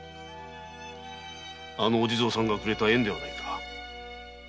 あのお地蔵様がくれた縁ではないか。